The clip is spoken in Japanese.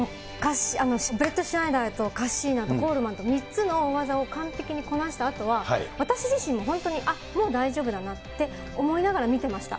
ブレッドシュナイダーとカッシーナとコールマンと３つの大技を完璧にこなしたあとは、私自身も本当に、あっ、もう大丈夫だなって誰しもが思う？